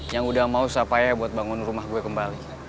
yang udah mau usaha payah buat bangun rumah gue kembali